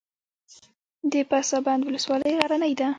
د پسابند ولسوالۍ غرنۍ ده